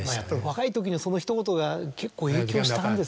若いときのそのひと言が結構影響したんですね。